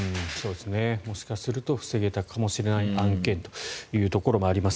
もしかすると防げたかもしれない案件というところもあります。